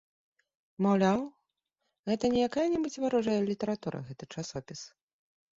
Маўляў, гэта не якая-небудзь варожая літаратура гэты часопіс.